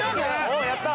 おおやった。